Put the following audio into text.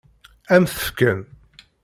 Ad m-t-fken?